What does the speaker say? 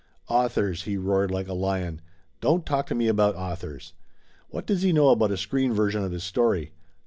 "Authors!" he roared like a lion. "Don't talk to me about authors! What does he know about a screen version of his story?